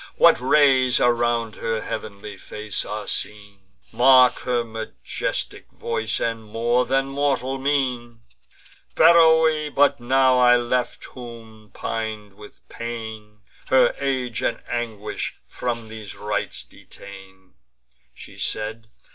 What rays around her heav'nly face are seen! Mark her majestic voice, and more than mortal mien! Beroe but now I left, whom, pin'd with pain, Her age and anguish from these rites detain," She said.